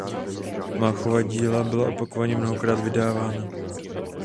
Máchova díla byla opakovaně mnohokrát vydávána.